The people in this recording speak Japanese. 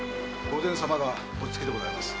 御前様がお着きでございます。